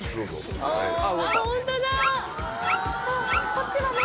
こっちはね